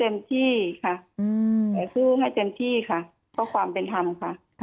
แต่สู้ไม่เต็มที่ค่ะเพราะความเป็นธรรมค่ะ